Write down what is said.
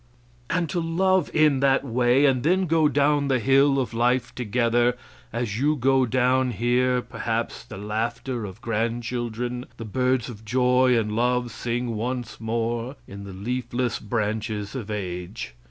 And to love in that way, and then go down the hill of life together, and as you go down hear, perhaps, the laughter of grandchildren the birds of joy and love sing once more in the leafless branches of age.